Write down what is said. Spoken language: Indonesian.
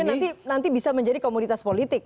dan kemudian nanti bisa menjadi komunitas politik